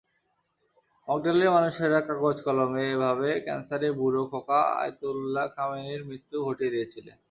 মগডালের মানুষেরা কাগজে-কলমে এভাবে ক্যানসারে বুড়ো খোকা আয়াতুল্লাহ খোমেনির মৃত্যুও ঘটিয়ে দিয়েছিলেন।